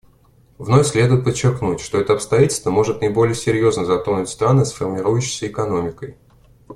Вновь следует подчеркнуть, что это обстоятельство может наиболее серьезно затронуть страны с формирующейся экономикой.